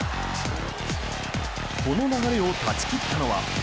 この流れを断ち切ったのは。